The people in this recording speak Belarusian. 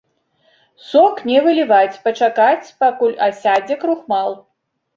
Сок не выліваць, пачакаць пакуль асядзе крухмал.